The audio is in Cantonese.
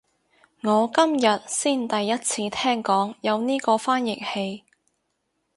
我今日先第一次聽講有呢個翻譯器